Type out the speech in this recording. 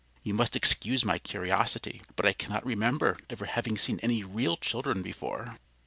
"You must excuse my curiosity, but I cannot remember ever having seen any real children before."